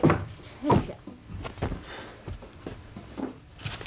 よいしょ。